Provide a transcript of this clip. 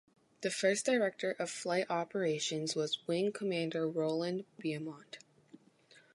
The first director of flight operations was Wing Commander Roland Beamont.